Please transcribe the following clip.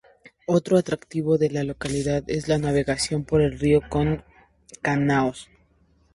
Otro atractivo de la localidad es la navegación por el río con canoas.